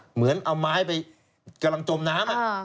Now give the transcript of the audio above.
เหมือนเอาไม้ไปกำลังจมน้ำ